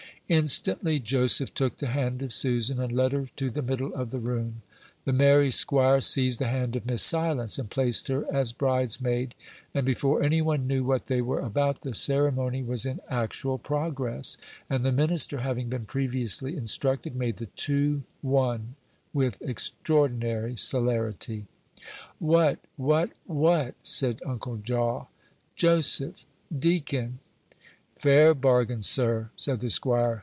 Instantly Joseph took the hand of Susan, and led her to the middle of the room; the merry squire seized the hand of Miss Silence, and placed her as bridesmaid, and before any one knew what they were about, the ceremony was in actual progress, and the minister, having been previously instructed, made the two one with extraordinary celerity. "What! what! what!" said Uncle Jaw. "Joseph! Deacon!" "Fair bargain, sir," said the squire.